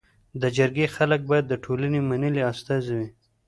د جرګي خلک باید د ټولني منلي استازي وي.